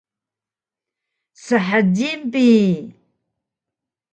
shjil bi